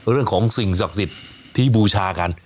เรื่องของสิ่งศักดิ์สิทธิ์ที่บูชากัน